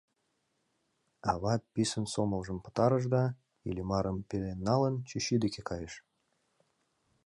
Ава писын сомылжым пытарыш да, Иллимарым пелен налын, чӱчӱ деке кайыш.